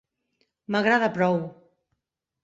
M'agrada prou!